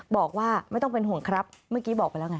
บอกว่าไม่ต้องเป็นห่วงครับเมื่อกี้บอกไปแล้วไง